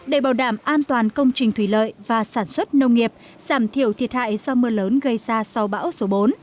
để bảo đảm an toàn công trình thủy lợi và sản xuất nông nghiệp giảm thiểu thiệt hại do mưa lớn gây ra sau bão số bốn